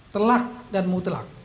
telak dan mutlak